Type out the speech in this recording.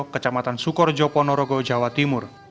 kecamatan sukorejo ponorogo jawa timur